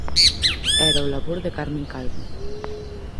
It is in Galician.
Era o labor de Carmen Calvo.